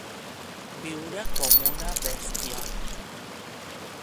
Viure com una bèstia.